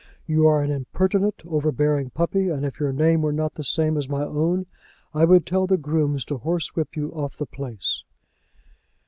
You are an impertinent, overbearing puppy, and if your name were not the same as my own, I would tell the grooms to horsewhip you off the place."